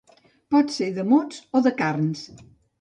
Pot ser de mots o de carns.